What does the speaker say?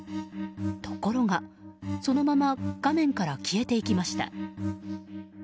ところが、そのまま画面から消えていきました。